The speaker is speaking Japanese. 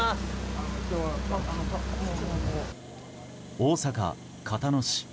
大阪・交野市。